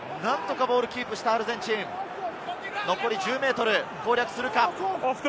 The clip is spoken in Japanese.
何とかボールをキープしたアルゼンチン、残り１０ｍ。